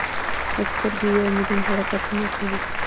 سترګې یو ملیون حرکتونه کوي.